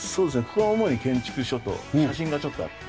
ここは主に建築書と写真がちょっとあります。